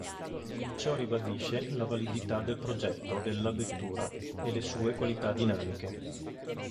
Ciò ribadisce la validità del progetto della vettura e le sue qualità dinamiche.